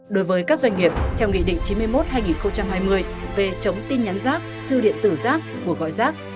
đối với các doanh nghiệp theo nghị định chín mươi một hai nghìn hai mươi về chống tin nhắn giác thư điện tử giác của gọi giác